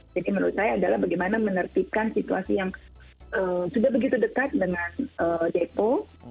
jadi menurut saya adalah bagaimana menertibkan situasi yang sudah begitu dekat dengan depo